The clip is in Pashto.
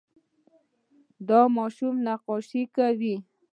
دا ماشوم نقاشي کوي.